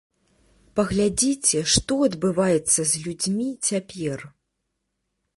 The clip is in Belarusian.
Паглядзіце, што адбываецца з людзьмі цяпер.